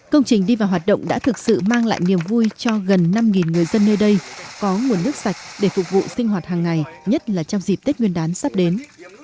công trình đi vào hoạt động đã thực sự mang lại niềm vui cho gần năm người dân nơi đây có nguồn nước sạch để phục vụ sinh hoạt hàng ngày nhất là trong dịp tết nguyên đán sắp đến